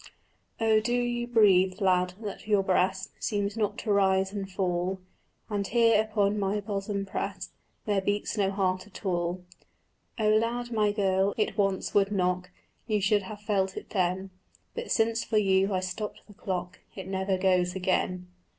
"Oh do you breathe, lad, that your breast Seems not to rise and fall, And here upon my bosom prest There beats no heart at all?" "Oh loud, my girl, it once would knock, You should have felt it then; But since for you I stopped the clock It never goes again."